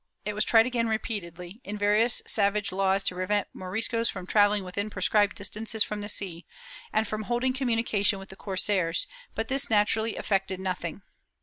^ It was tried again repeatedly, in various savage laws to prevent Moriscos from travelling within prescribed distances from the sea, and from holding communication with the corsairs, but thia naturally effected nothing.